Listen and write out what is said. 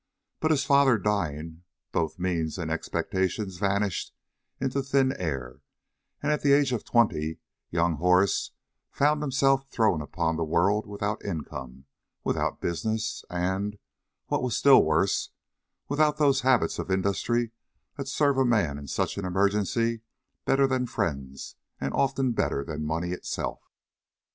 But his father dying, both means and expectations vanished into thin air, and at the age of twenty, young Horace found himself thrown upon the world without income, without business, and, what was still worse, without those habits of industry that serve a man in such an emergency better than friends and often better than money itself.